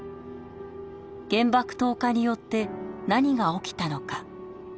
原爆投下によって何が起きたのか。